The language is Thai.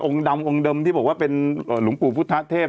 ดำองค์เดิมที่บอกว่าเป็นหลวงปู่พุทธเทพ